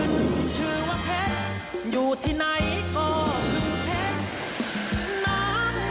เพชรชื่อว่าเพชรอยู่ที่ไหนก็เป็นเพชร